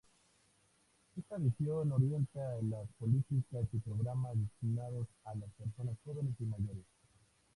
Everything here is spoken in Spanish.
Esta visión orienta las políticas y programas destinadas a las personas jóvenes y mayores.